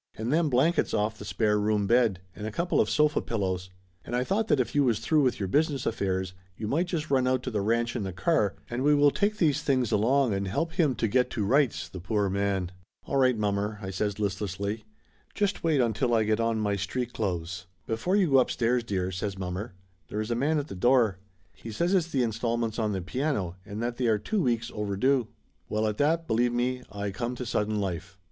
And them blan kets off the spare room bed, and a couple of sofa pil lows. And I thought that if you was through with your business affairs you might just run out to the ranch in the car, and we will take these things along and help him to get to rights, the poor man !" "All right, mommer!" I says listlessly. "Just wait until I get on my street clothes." "Before you go upstairs, dear," says mommer "there is a man at the door. He says it's the install ments on the piano, and that they are two weeks over due." 262 Laughter Limited Well at that, believe me I come to sudden life.